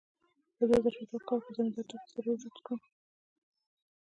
په دوه زره دوه کال کې نندارتون ته سر ورجوت کړم.